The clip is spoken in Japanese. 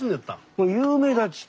もう有名だっつって。